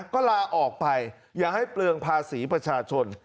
ก็ลาออกไปอย่าให้เปลืองภาษีประชาชน